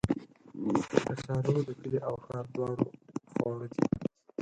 کچالو د کلي او ښار دواړو خواړه دي